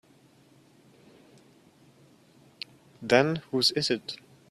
Then whose is it?